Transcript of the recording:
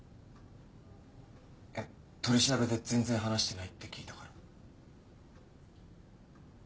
取り調べで全然話してないって聞いたから。